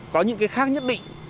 có những cái khác nhất định